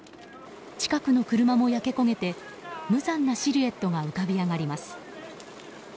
近くの車も焼け焦げて無残なシルエットが浮かび上がります。